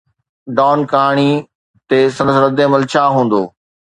Don ڪهاڻي تي سندس ردعمل ڇا هوندو؟